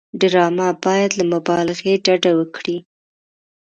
ډرامه باید له مبالغې ډډه وکړي